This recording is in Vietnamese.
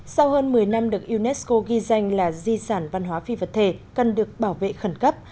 sau hơn một mươi năm được unesco ghi danh là di sản văn hóa phi vật thể cần được bảo vệ khẩn cấp